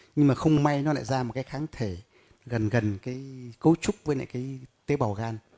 nhưng mà không may nó lại ra một kháng thể gần gần cấu trúc với tế bào gan